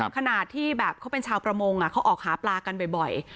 ขนาดที่แบบเขาเป็นชาวประมงเขาออกหาปลากันบ่อย